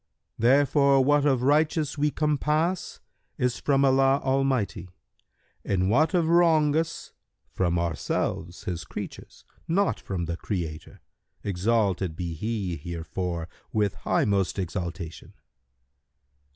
Therefore what of righteous we compass is from Allah Almighty, and what of wrongous from ourselves[FN#135] His creatures, not from the Creator, exalted be He herefor with highmost exaltation!"